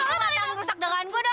nggak jangan rusak dagangan gue dong